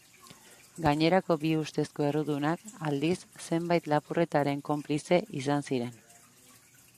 Gainerako bi ustezko errudunak, aldiz, zenbait lapurretaren konplize izan ziren.